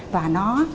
và nó ổ bánh mì